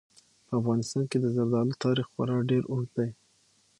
په افغانستان کې د زردالو تاریخ خورا ډېر اوږد دی.